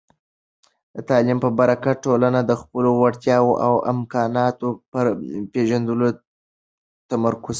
د تعلیم په برکت، ټولنه د خپلو وړتیاوو او امکاناتو پر پېژندلو تمرکز کوي.